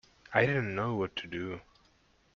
I didn't know what to do.